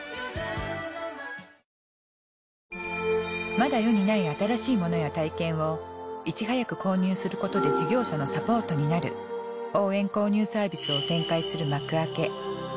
まだ世にない新しいモノや体験をいち早く購入することで事業者のサポートになる応援購入サービスを展開するマクアケ。